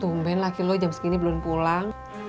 tumben laki lo jam segini belum pulang